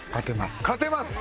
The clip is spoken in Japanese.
勝てます。